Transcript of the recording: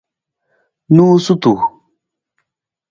Noosutu.